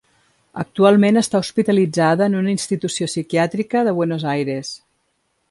Actualment està hospitalitzada en una institució psiquiàtrica de Buenos Aires.